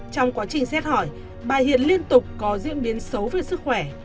trong quá trình xét hỏi bà hiền liên tục có diễn biến xấu về sức khỏe